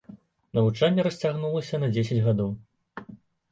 Навучанне расцягнулася на дзесяць гадоў.